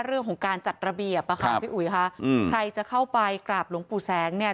เรื่องของการจัดระเบียบอ่ะค่ะพี่อุ๋ยค่ะอืมใครจะเข้าไปกราบหลวงปู่แสงเนี่ย